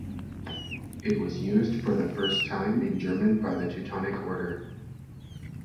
It was used for the first time in German by the Teutonic Order.